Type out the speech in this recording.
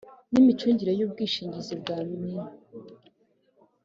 N imicungire y ubwishingizi bwa mmi